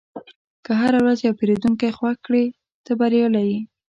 که هره ورځ یو پیرودونکی خوښ کړې، ته بریالی یې.